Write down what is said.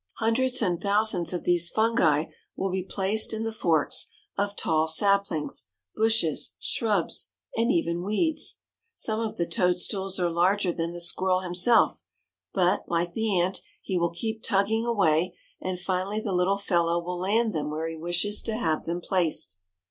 Hundreds and thousands of these fungi will be placed in the forks of tall saplings, bushes, shrubs and even weeds. Some of the toadstools are larger than the squirrel himself, but, like the ant, he will keep tugging away, and finally the little fellow will land them where he wishes to have them placed.